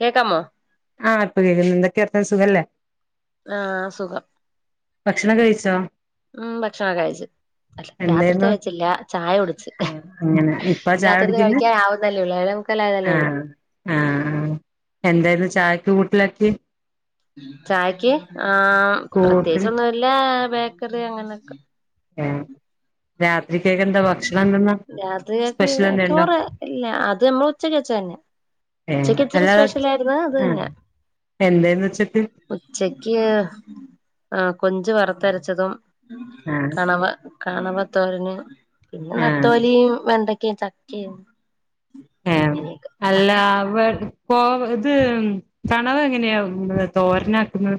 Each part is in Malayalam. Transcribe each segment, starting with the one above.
കേക്കാമോ ആഹ് ഇപ്പൊ കേക്കുന്നു എന്തൊക്കെ വർത്താനം സുഖല്ലേ ആഹ് സുഖം ഭക്ഷണം ഒക്കെ കഴിച്ചോ ഉം ഭക്ഷണം കഴിച്ചു. അല്ല രാത്രിത്തെ എന്തായിരുന്നു കഴിച്ചില്ല ചായ കുടിച്ച്. ആഹ് അങ്ങനെ ഇപ്പ ചായ രാത്രിത്തെ കുടിക്കുന്നെ കഴിക്കാൻ ആവുന്നല്ലേ ഒള്ളൂ. ഏഴെ മുക്കാൽ ആയതല്ലേ ഒള്ളൂ. ആഹ് ആഹ് എന്തായിരുന്നു ചായക്ക് കൂട്ടിലക്കെ. ചായക്ക് ആഹ് കൂട്ടിൽ പ്രത്യേകിച്ചൊന്നുമില്ല. ബേക്കറി അങ്ങനെയൊക്കെ. ഏഹ് രാത്രിക്കൊക്കെ എന്താ ഭക്ഷണം എന്തെന്നാ. രാത്രികക്ക് സ്പെഷ്യൽ എന്തേ ഉണ്ടോ ചോറ് ഇല്ല അത് നമ്മള് ഉച്ചക്ക് വച്ച തന്നെ. ഏഹ് ഉച്ചക്ക് ഇച്ചിരി അല്ലാതെ സ്പെഷ്യൽ ആയിരുന്നു അത് ആഹ് തിനാൻ എന്തേന്ന് ഉച്ചക്ക് ഉച്ചക്ക് ആഹ് കൊഞ്ച് വറത്തരച്ചതും. ആഹ് കണ കണവ ത്തോരന് പിന്നെ ആഹ് നത്തോലിയും വെണ്ടക്കയും ചക്കയും ഏഹ് അങ്ങനെയൊക്കെ അല്ല വെ കോ ഇത് കണവ എങ്ങനെയാ തോരനാക്കുന്നത്.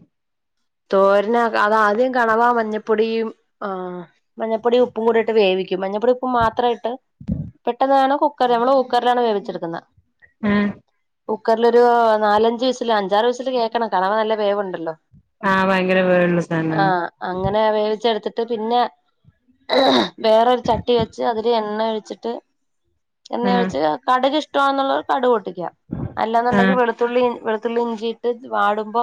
തോരൻ ആകെ അത് ആദ്യം കണവാ മഞ്ഞപ്പൊടിയും ആഹ്. മഞ്ഞൾപ്പൊടി ഉപ്പും കൂടിയിട്ട് വേവിക്കും മഞ്ഞൾപ്പൊടി ഉപ്പും മാത്രമായിട്ട്. പെട്ടെന്ന് ആണോ കുക്കർ നമ്മള് കുക്കറിലാണ് വേവിച്ചെടുക്കുന്നെ ഉം കുക്കറിലൊരു നാലഞ്ചു വിസില് അഞ്ചാറു വിസില് കേക്കണം. കണവ നല്ല വേവുണ്ടല്ലോ. ആഹ് ഭയങ്കര വേവുള്ള സാധനാണ്. ആഹ് അങ്ങനെ വേവിച്ചെടുത്തിട്ട് പിന്നെ. വേറൊരു ചട്ടി വെച്ച് അതില് എണ്ണ ഒഴിച്ചിട്ട്. എണ്ണ ആഹ് ഒഴിച്ച് കടക് ഇഷ്ടമാണെന്നുള്ളവർ കടുക് പൊട്ടിക്കാ അല്ലാന്നുണ്ടെങ്കിൽ വെളു ആഹ് ളുത്തുള്ളി വെളുത്തുള്ളി ഇഞ്ചിയിട്ട് വാടുമ്പോ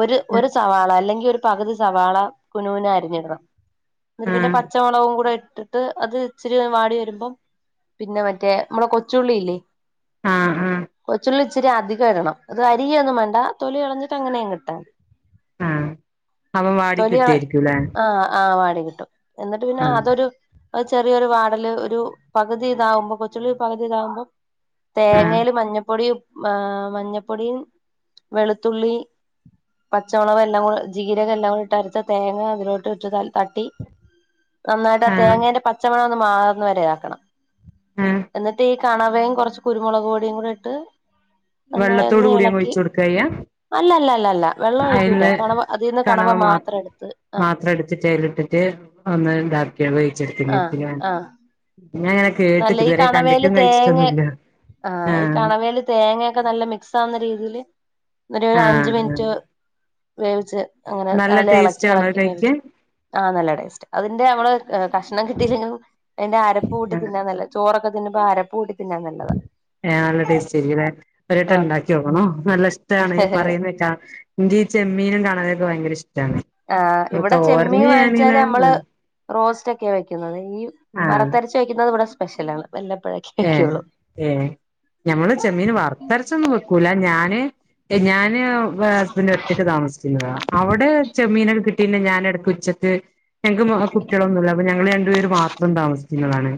ഒരു ഒരു സവാള അല്ലെങ്കിൽ ഒരു പകുതി സവാള കുനുകുനാ അരിഞ്ഞിടണം എന്നിട്ട് പിന്നെ ആഹ് പ ച്ചമുളകും കൂടെ ഇട്ടിട്ട് അത് ഇച്ചിരി വാടി വരുമ്പം. പിന്നെ മറ്റേ നമ്മടെ കൊച്ചുള്ളില്ലേ ആഹ് ആഹ് കൊച്ചുള്ളി. ഇച്ചിരി അധികം ഇടണം. അരിയൊന്നും വേണ്ട തൊലി കളഞ്ഞിട്ട് അങ്ങനെ അങ്ങ് ഇട്ടാൽ മതി ആഹ് അപ്പം വാടി തൊലി ആ കിട്ടായിരിക്കുംല്ലേ ആഹ് ആഹ് വാടി കിട്ടും എന്നിട്ട് പിന്നെ ആഹ് അതൊരു അഹ് ചെറിയൊരു വാടല് ഒരു പകുതി ഇതാവുമ്പോ കൊച്ചുള്ളി പകുതി ഇതാകുമ്പം ആഹ് തേങ്ങേല് മഞ്ഞപ്പൊടിയും ആഹ് മഞ്ഞപ്പൊടിയും വെളുത്തുള്ളി പച്ചമുളകും എല്ലാം കൂടെ ജീരകം എല്ലാം കൂടി ഇട്ട് അരച്ച് തേങ്ങ അതിലോട്ട് ഇട്ട് തട്ടി. നന്നായിട്ട് ആ ആഹ് തേങ്ങേന്റെ പച്ചമണം ഒന്ന് മാറുന്ന വരെ ആക്കണം. ഉം എന്നിട്ട് ഈ കണവയും കൊറച്ച് കുരുമുളകുപൊടിയും കൂടി ഇട്ട്. വെള്ളത്തോട് നന്നായൊന്ന് കൂടിയങ് എളക്കി ഒഴിച്ച് കൊടുക്കാ ചെയ്യാ. അല്ല അല്ല അല്ല അല്ല വെള്ളം ഒഴിക്കൂല അയ്ന്ന് കണവ അതീന്ന് കണവ മാത്ര മാത്രം എടുത്ത് ആഹ് മാത്രം എടുത്തിട്ട് അയില് ഇട്ടിട്ട്. ഒന്ന് ഇതാക്കി വേവിച്ച് [unintelligible] ആഹ് ആഹ് പിന്നേ നല്ല ഈ കണവേല് തേങ്ങ ആഹ് ഈ കണവേല്. തേങ്ങയൊക്കെ നല്ല മിക്സ് ആവുന്ന രീതീല് ഒരു അഞ്ച് ആഹ് ആഹ് മിനിറ്റ്. വേവിച്ച് അങ്ങനെ നല്ല എളക്കി ടേസ്റ്റ് ആണോ അത് എളക്കി വേവിച്ച്. കഴിക്കാൻ ആഹ് നല്ല ടേസ്റ്റ അതിന്റെ നമ്മള് കഷ്ണം കിട്ടീലെങ്കിലും അതിന്റെ അരപ്പ് കൂട്ടി ആഹ് നല്ലതാ ചോറൊക്കെ തിന്നുമ്പോ ആ അരപ്പ് കൂട്ടി തിന്നാൻ നല്ലതാ. ആഹ് നല്ല ടേസ്റ്റ് ആയിരിക്കൂല്ലേ ഒരു വട്ടം ആഹ് ഇണ്ടാക്കി നോക്കണം നല്ല ഇഷ്ടാണ് പറയുന്ന കേട്ടാ എനിക്ക് ഈ ചെമ്മീനും കണവ ഒക്കെയും ഭയങ്കര ഇഷ്ടാണ്. ആഹ് ഇവിടെ ചെമ്മീൻ തോരന് വാങ്ങിച്ചാല് ഞാനിങ്ങനെ നമ്മള് റോസ്റ്റ് ഒക്കെയ വയ്ക്കുന്നത് ഈ ആഹ് ആഹ് വറുത്തരച്ച് വയ്ക്കുന്നത് ഇവിടെ സ്പെഷ്യലാണ് വല്ലപ്പഴൊക്കെ. ഏഹ് ഏഹ് ഞമ്മള് ചെമ്മീന് വറുത്തരച്ചൊന്നും വെക്കൂല ഞാന് ഞാന് ഹസ്ബന്റും ഒറ്റക്ക് താമസിച്ചിരുന്നതാ അവിടെ ചെമ്മീനൊക്കെ കി പിന്നെ ഞാനെടക്ക് ഉച്ചക്ക് ഞങ്ങക്ക് മോ കുട്ട്യാളൊന്നുല്ല അപ്പ ഞങ്ങള് രണ്ടുപേര് മാത്രം താമസിച്ചിന്നതാണ്.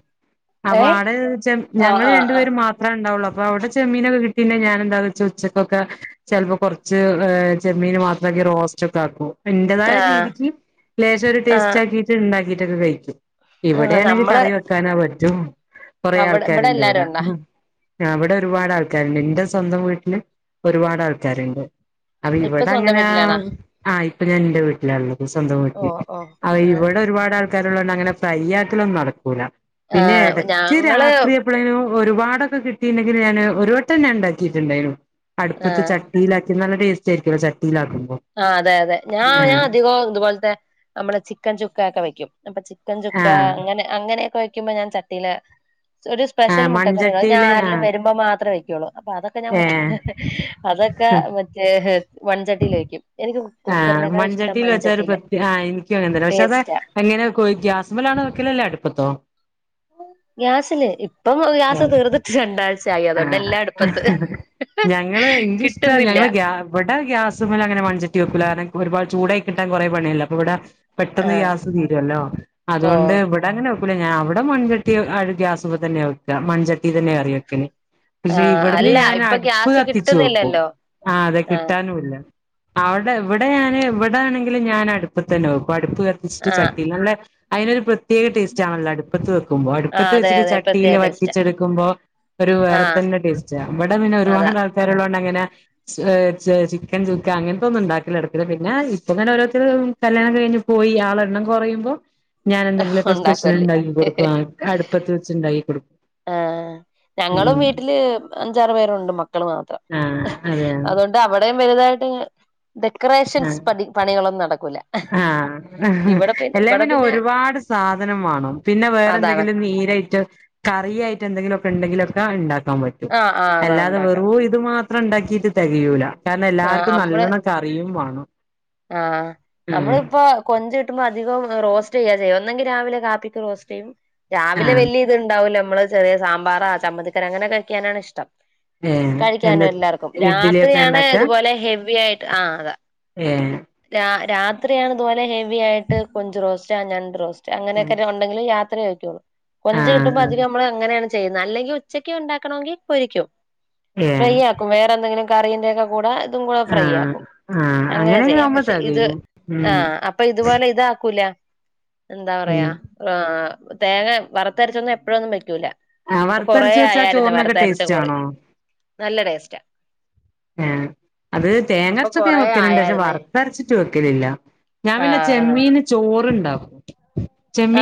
അപ്പ ഏ ആടെച്ചാ ആഹ് ഞങ്ങള് രണ്ടുപേരും മാ ത്രണ്ടാവുള്ള് അപ്പ അവടെ ചെമ്മീനൊക്കെ കിട്ടിണ്ടെ ഞാനെന്താ വെച്ച ഉച്ചക്കൊക്കെ ചെലപ്പോ കൊറ ച്ച് ഏഹ് ചെമ്മീന് മാത്രക്കി റോസ്റ്റക്കെ ആക്കും. എൻ്റതായ ആഹ് രീതിക്ക് ലേശൊരു ടേസ്റ്റ് ആക്കിട്ട് ഇണ്ടാക്കിട്ടൊക്കെ കഴിക്കും. ആഹ് ഇവിടെയാണെങ്കി നമ്മള് കറി വെക്കാനത് പറ്റും കൊറെ അവിടെ ഇവിടെ എല്ലാരും ആൾക്കാരുണ്ടിവടെ. ഉണ്ടാ ആഹ് ഇവടെ ഒരുപാട് ആൾക്കാര്ണ്ട് ഇന്റെ സ്വന്തം വീട്ടില് ഒരുപാട് ആൾക്കാര്ണ്ട്. അത് ഇപ്പൊ സ്വന്തം ഇവടങ്ങനെ വീട്ടിലാണാ ആഹ് ഇപ്പ ഞാൻ ഇന്റെ വീട്ടിലാള്ളത് സ്വന്തം ഓ വീട്ടില്. ഓ അത് ആഹ് ഇവട ഒരുപാട് ആൾക്കാരുള്ളോണ്ട് അങ്ങനെ ഫ്രൈയ്യാക്കലൊന്നും നടക്കൂല. പിന്നെ ആഹ് ഇടക്ക് ഞാങ്ങ് രാത്രി എപ്പളേലും ഒരുപാടക്കെ കിട്ടിണ്ടെങ്കില് ഞാന് ഒരു വട്ടം ഞാൻ ഇണ്ടാക്കിട്ടുണ്ടായ്നു അടുപ്പത്ത് ആഹ് ചട്ടീലാക്കി നല്ല ടേസ്റ്റ് ആയിരിക്കുവല്ലോ ചട്ടീലാക്കുമ്പോ ആഹ് അതെ അതെ ഞാ ഞാൻ അധികോം ഇതുപോൽത്തെ നമ്മളെ ചിക്കൻ ചുക്കയൊക്കെ വെയ്ക്കും അപ്പം ചിക്കൻ ആ ചുക്ക അങ്ങനെ അങ്ങനെയൊക്കെ വെയ്ക്കുമ്പം ഞാൻ ചട്ടിലാ ഒരു ആ സ്പെഷ്യൽ മുട്ടക്കറിയുണ്ട് അത് ഞാൻ മൺചട്ടിയില് ആ ആരെലും വെരുമ്പോൾ മാത്രേ വെക്കുള്ളൂ അപ്പം അതൊക്കെ ഞാൻ ഏ മുട്ട് അതൊക്കെ ആ മറ്റേ മൺചട്ടീല് വെയ്ക്കും ആഹ് മൺചട്ടില് വെച്ചാ ഒരു പ്രതേക ആഹ് എനിക്കു അങ്ങനെതന്നെ പക്ഷെ അത് ടേസ്റ്റാ എങ്ങനെ വെക്കുവാ ഗ്യാസ് മ്മലാണ് വെക്കല് അല്ലേ അടുപ്പത്തോ ഗ്യാസില് ഇപ്പം ഗ്യാസ് ഏഹ് തീർന്ന് രണ്ടാഴ്ച ആയി അതൊണ്ട് ആഹ് എല്ലാ അടുപ്പത്ത് കിട്ടുന്നില്ല ഇവടെ ഗ്യാസ്മേലങ്ങനെ മൺചട്ടി വെക്കൂല കാരണം ഒരുപാട് ചൂടായി കിട്ടാൻ കൊറെ പണിയല്ലേ അപ്പം ഇവിടെ പെട്ടെന്ന് ആഹ് ഗ്യാസ് തീരുവല്ലോ ഓ അതുകൊണ്ട് ഇവ ടങ്ങനെ വെക്കൂല ഞാൻ അവടെ മൺചട്ടി ഗ്യാസുമ്മ തന്നെയ വെക്കല് മൺചട്ടി തന്നെയാ കറി വെക്കല് പക്ഷെ ആഹ് ഇവടന്ന് അല്ല ഇപ്പൊ ഞാനടുപ്പ് ഗ്യാസ് കത്തിച്ചു വെക്കും കിട്ടുന്നില്ലല്ലോ ആഹ് അതെ കിട്ടാനുമില്ല അവടെ ഇവടെ ഞാന് ഇവടെ ആണെങ്കിലും ഞാനടുപ്പത്തന്നെ വെക്കും അടുപ്പ് ക ത്തിച്ചിട്ട് ആഹ് ചട്ടീല് നല്ലേ അയ്നൊര് പ്രത്യേക ടേസ് റ്റാണല്ലോ അടുപ്പത്ത് വെക്കുമ്പോ ആഹ് അടുപ്പത്ത് അതെ വെച്ചിട്ട് അതെ പ്രത്യേക ചട്ടീല് ടേസ്റ്റാ വറ്റിച്ചെടുക്കുമ്പോ ഒരു വേറെ ആഹ് തന്നെ ടേസ്റ്റാ ഇവടെ പിന്നെ അതാ ഒരുപാട് ആൾക്കാരൊള്ളൊണ്ട് അങ്ങനെ ഏഹ് ച്ച് ചിക്കൻ ചുക്ക അങ്ങനത്തൊന്നുണ്ടാക്കല് നടക്കൂല്ല പിന്നെ ഇപ്പൊ തന്നെ ഓരോരുത്തര് കല്യാണം കഴിഞ്ഞ് പോയി ആളെ എണ്ണം കൊറയുമ്പോ ഞാനെന്തങ്കിലൊക്കെ സ്പെഷ്യൽ ഉണ്ടാക്കല് ഇണ്ടാക്കി കൊടുക്കും ആഹ് അടുപ്പത്ത് വെച്ച് ഇണ്ടാക്കി കൊടുക്കും ആഹ് ഞങ്ങളും ഉം വീട്ടില് അഞ്ചാറ് പേരൊണ്ട് മക്കള് മാത്രം ആഹ് അതെ അതുകൊ ണ്ടവടേം വെലുതായിട്ടിങ്ങനെ ആഹ് ഡെക്കറേഷൻസ് പണി പണികളൊന്നും നടക്കൂല ആഹ് ഇവടെ പി എല്ലേ ഇവടെ പിന്നെ ഒരുപാട് സാധനം വാണം പിന്നെ അതാണ് വേറെന്തെങ്കിലും നീരായ്റ്റ് കറിയായ്റ്റ് എന്തെങ്കിലുമൊക്കെ ഇണ്ടങ്കിലുക്കെ ഇണ്ടാക്കാൻ പറ്റും ആഹ് ആഹ് അതാ അല്ലാതെ ഉണ്ടാക്കാം വെറും ഇത് മാത്രം ത്രണ്ടാക്കിട്ട് തെകയൂല കാരണം ആഹ് എല്ലാർക്കും നമ്മള് നല്ലണം കറിയും വാണം ആഹ് അമ്മളിപ്പം കൊഞ്ച് കിട്ടുമ്പോൾ അധികോം റോസ്റ്റ് ചെയ്യ ചെയ്യ ഒന്നെങ്കി രാവിലെ കാപ്പിക്ക് റോസ്റ്റെയ്യും രാവിലെ ആഹ് വെല്ല്യ ഇത്ണ്ടാവുല്ല മ്മള് ചെറിയ സാമ്പാറാ ചമ്മന്തിക്കറി അങ്ങനൊക്കെ കഴിക്കാനാണിഷ്ടം ഏഹ് കഴിക്കാന് എന്താ എല്ലാർക്കും ഇഡ്ഡലിയൊക്കെ രാത്രിയാണ് ഇണ്ടാക്കാ ഇതുപോലെ ഹെവി ആയിട്ട് ആഹ് അതാ ഏഹ് രാ രാത്രിയാണ് ഇതുപോലെ ഹെവി ആയിട്ട് കൊഞ്ച്റോസ്റ്റ ഞണ്ട് റോസ്റ്റ് അങ്ങനൊക്കെ ഒ എന്തെങ്കിലും രാത്രിവെക്കുള്ളൂ കൊഞ്ച് കിട്ടുമ്പോ ആഹ് അധികമ്മള് അങ്ങനെയാണ് ചെയ്യുന്നത് അല്ലെങ്കി ഉച്ചക്ക് ഉണ്ടാക്കണമെങ്കി പൊരിക്കും ഫ്രൈ ഏഹ് ആക്കും ക്കും വേറെന്തങ്കിലും കറീൻ്റൊക്കെ കൂടെ ഇതും കൂടെ ഫ്രൈ ആഹ് ആക്കും ആഹ് അങ്ങനെ അങ്ങനെയൊക്കെ ചെയ്യും ആവുമ്പോ ഇത് തെകയും ഉം ആഹ് അപ്പം ഇതുപോലെ ഇതാക്കൂല എന്താ ഉം പറയാ ആഹ് തേങ്ങ വറുത്തരച്ചൊന്നും എപ്പോഴൊന്നും വെക്കൂല ആഹ് ഇപ്പൊ കൊറെ വറുത്തരച്ച് വെച്ചാ ആയായിരുന്നു ചോറിനൊക്കെ വറുത്ത അരച്ച ടേസ്റ്റ് കറി ആണോ നല്ല ടേസ്റ്റാ ആഹ് അത് അപ്പൊ തേങ്ങരച്ചൊക്കെ ഞാൻ കൊറേ വെക്കലുണ്ട് പക്ഷെ ആയായിരുന്നേ വറുത്തരച്ചിട്ട് വെക്കലില്ല ഞാൻ പിന്നെ ആഹ് ചെമ്മീൻ ചോറ് ഉണ്ടാക്കും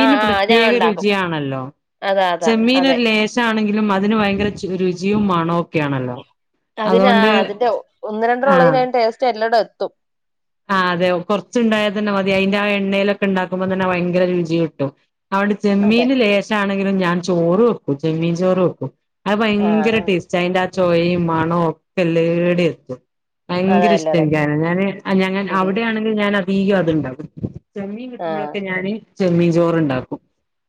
ആഹ് ആഹ് ആഹ് ഞാൻ പ്രത്യേക ഉണ്ടാക്കും രുചിയാണല്ലോ അതാ അതാ ചെമ്മീന് അതെ ഒരു ലേശം ണെങ്കിലും അതിന് ഭയങ്കര രുചിയും മണവും ഒക്കെ ആണല്ലോ അതിനാ അതുകൊണ്ട് അതിന്റെ ഒന്ന് രണ്ടര ഉള്ളേന് ആഹ് അതിന്റെ ടേസ്റ്റ് എല്ലടെ ആഹ് അതെ കൊറച്ചുണ്ടായാ തന്നെ മതി അതിന്റെ ആ എണ്ണയിലൊക്കെ ഉണ്ടാക്കുമ്പോ തന്നെ ഭയങ്കര രുചി കിട്ടും അവണ്ട് അതെ ചെമ്മീന് ലേശാണെങ്കിലും ഞാൻ ചോറ് വെക്കും ചെമ്മീൻ ചോറ് വെക്കും. അത് ആഹ് ഭയങ്കര ആഹ് ടേസ്റ്റ് അയിന്റെ ആ ചോയും മണവും ഒക്കെ എല്ലാംടി എത്തു. അതാ ഭയങ്കര ഇഷ്ടാ എല്ലായിടം എത്തും എനിക്കത് ഞൻ അ ഞാന് അവിടെയാണെങ്കിൽ ഞാൻ അധികം അതുണ്ടാവും. ചെമ്മീൻ ആഹ് കിട്ടുമ്പോഴൊക്കെ ഞാൻ ചെമ്മീൻ ചോറ്ണ്ടാക്കും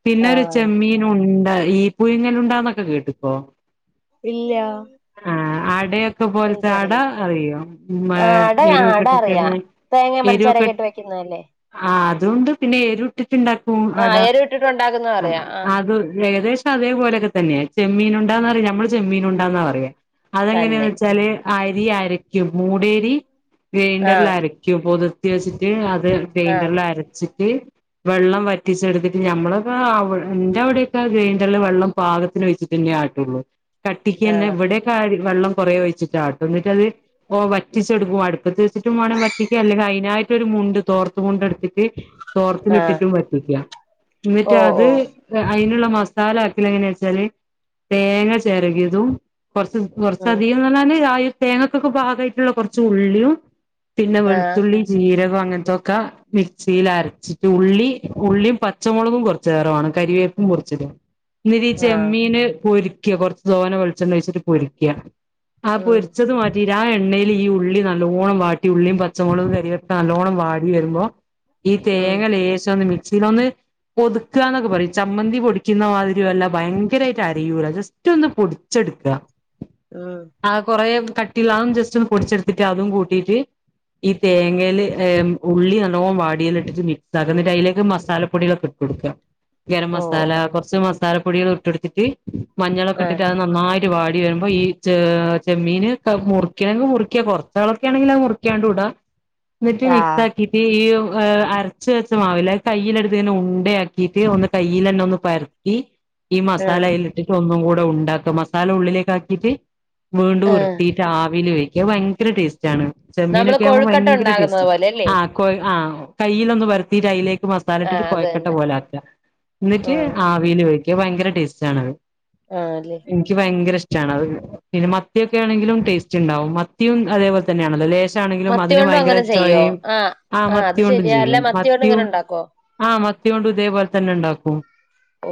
പിന്നെ ഒരു ആഹ് ചെമ്മീ ണ്ട ഈ പുഴുങ്ങലുണ്ടന്നൊക്കെ കേട്ട് ക്കോ? ഇല്ല ആ അടയൊക്കെ പോലത്തെ അട എനിക്കറിഞ്ഞില്ല അറിയോ എരുക്കട്ട തേങ്ങാം പൻസാരൊക്കെ ഇട്ട് വെക്കുന്നല്ലേ? ആ അതുണ്ട് പിന്നെ എരുട്ടിട്ട് ഉണ്ടാക്കും അട ആഹ് എരിവ് ഇട്ടിട്ട് ഉണ്ടാക്കുന്നത് അറിയാം ആഹ് അത് ഏകദേശ അതേപോലെക്കെ തന്നെ ചെമ്മീൻ ഉണ്ടാന്ന്റിയ നമ്മള് ചെമ്മീൻ ഉണ്ടന്ന പറയാ അതെങ്ങനെന്ന് തന്നെ വെച്ചാല് അരി അരക്കും മൂടേരി ഗ്രൈൻഡറിൽ ആഹ് അരക്കും പൊത ർത്തി വെച്ചിട്ട് അത് ആഹ് ഗ്രെയിണ്ടർല് അരച്ചിട്ട് വെള്ളം വറ്റിച്ചെടുത്തിട്ട് ഞമ്മളക്കെ ന്റെ അവിടെക്കെ ഗ്രെയിൻറള് വെള്ള പാകത്തിന് ഒഴി ന്നെ ആട്ടുള്ളൂ കട്ടിക്കന്നെ ആഹ് ഇവിടെ വെള്ളം കുറെ ഒഴിച്ചിട്ടാട്ടും ന്നിട്ടത് വറ്റിച്ചെടുക്കും അടുപ്പത് ടും ബാണം വറ്റിക്ക അല്ലെങ്കിൽ അയ്നായിട്ട് ഒരു മുണ്ട് തോർത്ത് മുണ്ട് എടുത്തിട്ട്. ആഹ് തോർത്തിലിട്ടിട്ടും വറ്റിക്ക ഓ ന്നിട്ട് അത് ഓ അയ്നുള്ള മസാല ആക്കൽ എങ്ങനാച്ചാല് തേങ്ങ ചിരകിയതും കൊറച്ച് ഉം കുറച്ചധികംന്ന്റഞ്ഞാല് ആ തേങ്ങക്കൊക്കെ പാകായിട്ടുള്ള കുറച്ച് ഉള്ളിയും പിന്നെ ആഹ് വെളുത്തുള്ളി ജീരകം അങ്ങനത്തെക്ക മിക്സിൽ അരച്ചിട്ട് ഉള്ളി ഉള്ളിയും പച്ചമുളകും കുറച്ചേറെമാണം കരിവേപ്പും കുറച്ചിടും. ന്നിട്ട് ആഹ് ചെമ്മീന് പൊരിക്കുക കൊറച്ചു തോനെ വെളിച്ചെണ്ണ ഒഴിച്ചിട്ട് പൊരിക്ക ആ ഉം പൊരിച്ചത് മാറ്റി ആ എണ്ണയിൽ ഈ ഉള്ളി നല്ലോണം വാ ട്ടി ഉുള്ളിയും പച്ചമുളകും കറിവേപ്പും നല്ലോണ്ണം വാടി വരുമ്പോ ഈ ഉം തേങ്ങ ലേശ ഒന്ന് മിക്സിൽ ഒന്ന് ഒതുക്കന്നൊക്കെ പറയും ചമ്മന്തി പൊടിക്കുന്ന മാതിരിയല്ല ഭയങ്കരായിട്ട് അരയൂല ജസ് റ്റന്ന് പൊടിച്ചെടുക്കുക. ആഹ് ആ കുറെ കട്ടിള്ള അത്യംജസ്റ്റ് ഒന്ന് പൊടിച്ചെടുത്തിട്ട് അതും കൂട്ടിട്ട് ഈ തേങ്ങൽ ഉള്ളി നല്ലോം വാടിയൽ ഇട്ടിട്ട് മിക്സ് ആക്ക ന്നിട്ട് അയിലേക്ക് മസാലപ്പൊടികളൊക്കെ കൊടുക്ക ഗരം ഓ മസാല ഓ കുറച്ച് മസാല പൊടികൾ ഇട്ടടുത്തിട്ട് മഞ്ഞളൊക്കെ ഇട്ടി ആഹ് നന്നായിട്ട് വാടി വരുമ്പോ ഈ ച ചെമ്മീന് മുറിക്കണെങ്കിൽ മുറിക്ക കുറച്ചളൊക്കെ ആണെങ്കി ആ മുറ ക്കാണ്ടുടാ ന്നിട്ട് മിക്സ് ആഹ് ആക്കി ഈ അരച്ച് വെച്ചമാവില്ലെ അത് കയ്യിലെടുത്ത്ങ്ങനെ ഉണ്ടയാക്കീയിട്ട് കയ്യിലന്നെ ഒന്ന് പര [unintelligible] ഈ മസാല ആഹ് അയ്ൽ ഇിട്ടിട്ട് ഒന്നും കൂടെ ഉണ്ടാക്ക മസാല ഉള്ളിലേക്ക് ആക്കിട്ട് വീണ്ടും ആഹ് ഉരുട്ടി ആവിയില് വേവിക്ക ഭയങ്കര ടേസ്റ്റ് ആണ് നമ്മള് ചെമ്മീനൊക്കെ ആവുമ്പോ കൊഴുക്കട്ട ഭയങ്കര ഉണ്ടാകുന്നത് ടേസ്റ്റ്ണ് പോലെല്ലേ ആ ആ കയ്യിലൊന്ന് പരത്തി ട്ട് അയിലേക്ക് മ മസാലട്ടട്ട് ആഹ് അത് കോഴക്കട്ട തന്നെ പൊലാക്കാ ന്നിട്ട് ആഹ് ആ വീല് വേവിക്ക ഭയങ്കര ടേസ്റ്റ ആണത്. ആഹ് ല്ലേ എനിക്ക് ഭയങ്കര ഇഷ്ടമാണത് പിന്നെ മത്തിയൊക്കെ ആണെങ്കിലും ടേസ്റ്റ് ഉണ്ടാാവും മത്തിയും അതേപോലെ തന്നെയണല്ല ലേ ത്തിണെങ്കിലും മത്തി അതിന് കൊണ്ടും ഭയങ്കര അങ്ങനെ ചെയ്യോ ചൊയയും ആഹ് ആ ആഹ് മത്തി അത് കൊണ്ടും ശരിയാ അല്ല ചെയ്യും മത്തി ഇങ്ങനെ കൊണ്ട് ഉണ്ടാക്കോ ആഹ് മത്തി കൊണ്ടും ഇതേപോലെ തന്നെ ണ്ടാക്കും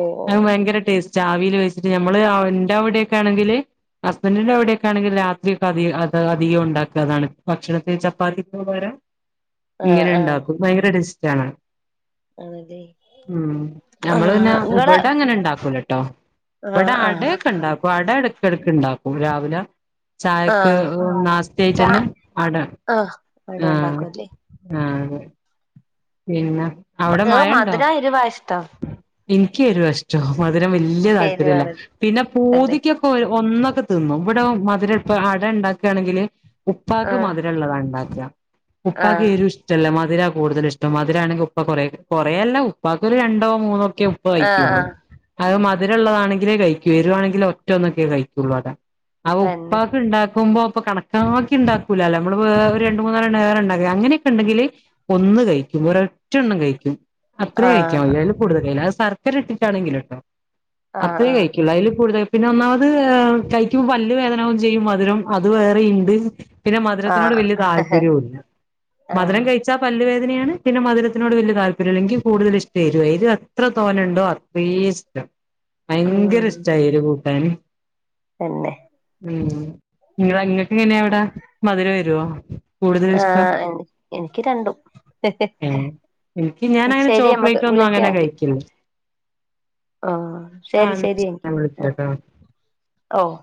ഓ ഓ അ ഭയങ്കര ടേസ്റ്റ് ചാവിയിൽ വെച്ചിട്ട് നമ്മള് ന്റെ അവിടെയൊക്കെ ആണെങ്കില് ഹസ്ബൻഡറിന്റെ അവിടെയൊക്ക ആണെങ്കിൽ രാത്രി ഒക്കെ അ അധികം ഉണ്ടാക്കാതാണ് ഭക്ഷണത്തിൽ ചപ്പാത്തിക്ക് പകരം ആഹ് ഇങ്ങനെ ആഹ് ഇണ്ടാക്കും ഭയങ്കര ടേസ്റ്റാണ് അതെ ഉം ഞമ്മള് പിന്നെ ഇവ്ടെങ്ങനെ ഇണ്ടാക്കൂലട്ടോ ആഹ് ഇവടെ ആഹ് അടെക്കെ ഇണ്ടാക്കും അട എട് ക്കെടക്ക് ഇണ്ടാക്കും രാവിലെ ചായക്ക് ആഹ് ഉം ച നാസ്തേയിട്ടന്നെ അട ആഹ് അട ആഹ് ഉണ്ടാക്കുംല്ലേ ആഹ് പിന്നെ അവടെ മഴണ്ടോ മധുരാ എരിവാ ഇഷ്ടം ഇന്ക്ക്യെരുവാ ഇഷ് [unintelligible] മധുരം വെല്ല്യ താല്പര്യല്ല എരിവാണല്ലേ പിന്നെ തന്നെ പൂതിക്ക്യൊ രു ഒന്നൊക്കെ തിന്നും ഇവ്ടെ മധുരം ഇപ്പം അട ഇണ്ടാക്കാണെങ്കില് ഉപ്പാക്ക് ആഹ് മധിരള്ളതാ ഇണ്ടാക്ക ഉപ്പാക്ക് ആഹ് എരു ഇഷ്ടല്ല മധിര കൂടുതല് ഇഷ് ടം മധിരാണെങ്കി ഉപ്പ കൊറേ കൊറേയല്ല ഉപ്പാക്കൊര് രണ്ടോ മൂന്നോക്കെ ഉപ്പ ആഹ് കഴ്ക്ക്യോള്ളു ആഹ് അഹ് മധിരള്ളതാണെങ്കിലേ കഴിക്ക്യു എരുവാണെങ്കിലോ ഒറ്റ ഒന്നൊക്കെ കഴിക്കുള്ളു അതാ ആഹ് തന്നെ ഉപ്പാക്ക് ഇണ്ടാക്കുമ്പോ അപ്പൊ കണ ക്കാക്കി ഇണ്ടാക്കൂല്ലാല്ലോ അമ്മള് വേ ഒര് രണ്ട് മൂന്നാല്ലെണം ഏറെ ഇണ്ടാക്ക അങ്ങനെക്കെ ഇണ്ടെങ്കില് ഒന്ന് കഴി ക്കും ഒരൊറ്റണ്ണം കഴിക്ക്യും അത്രയേ ആഹ് കഴിക്ക്യാവുള്ള് അയിന് കൂട്തല്ലില്ലാ അഹ് സർക്കര ഇട്ടിട്ടാണെങ്കില്ട്ടോ ആഹ് അത്രേ ആഹ് കഴിക്ക്യോള്ളു അയില് കൂടുതല് പിന്നെ ഒന്നാമത് കഴിക്ക്യുമ്പോ പല്ല് വേദനാവും ചെയ്യും മധുരം അത് വേറെയിണ്ട് പിന്നെ മധുരത്തിനോട് വെല്ല്യൊര് ആഹ് താല്പര്യവുല്ല മധുരം ആഹ് കഴിച്ചാ പല്ലുവേദനയാണ് പിന്നെ മധുരത്തിനോട് വെല്ല്യ താല്പര്യല്ല ഇന്ക്ക്യ് കൂടുതല് ഇഷ്ടെ എരുവാ എരു എത്ര തോനണ്ടോ അത്രീ ഇഷ്ടം ഭയങ്കര ഉം ഇഷ്ട്ടാ എരു കൂട്ടാന് തന്നെ ഉം ഇങ്ങളെ ഇങ്ങക്ക് എങ്ങനെ അവടെ മധുരോ എരുവോ കൂടുതൽ ഇഷ്ടം ആഹ് എന് എന്ക്ക്യി രണ്ടും ഏഹ് എനിക്ക് ഉം ഞാനങ്ങനെ ശരി അമ്മക്ക് ചോക്ലേറ്റ് ഒന്നും വിളിക്ക്യാ അങ്ങനെ എങ്കി കഴിക്കില്ല ആഹ് ശരി ആഹ് ശരിയെങ്കി ഞാൻ ഉം വിളിക്കാട്ടോ ഓഹ്